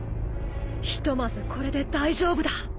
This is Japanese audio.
ひとまずこれで大丈夫だ。